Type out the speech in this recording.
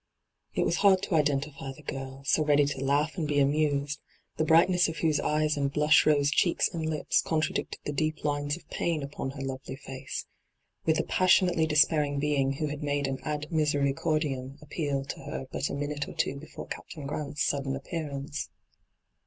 It was hard to identify the girl, so ready to laogh and be amused, the brightness of whose eyes and blush rose cheeks and lips contradicted the deep lines of pain upon her lovely feoe, with the passion ately despairing being who had made an ad misericordiam appeal to her but a minute or two before Captain Grant's sudden appearance.